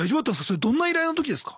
それどんな依頼の時ですか？